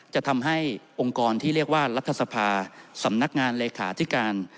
จะทำให้องค์กรที่เรียกว่ารัฐสภาสำนักงานเลขาธิการ